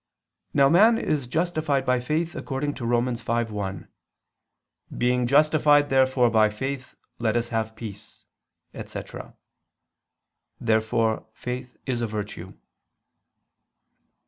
Now man is justified by faith according to Rom. 5:1: "Being justified therefore by faith let us have peace," etc. Therefore faith is a virtue.